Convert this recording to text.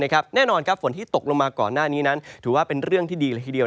แน่นอนฝนที่ตกลงมาก่อนหน้านี้นั้นถือว่าเป็นเรื่องที่ดีละทีเดียว